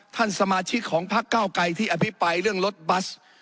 ท่านสมาชิกของพักเก้าไกรที่อภิปรายเรื่องรถบัส